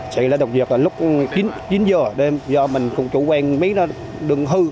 chị đã đọc việc lúc chín giờ đêm do mình cũng chủ quen mấy đường hư